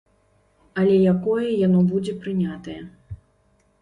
Але якое яно будзе прынятае?